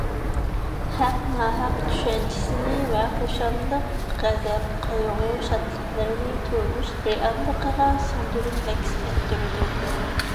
ھەق – ناھەق چۈشەنچىسىنى ۋە خۇشاللىق، غەزەپ، قايغۇ، شادلىقلىرىنى تۇرمۇش رېئاللىقىغا سىڭدۈرۈپ ئەكس ئەتتۈرىدۇ.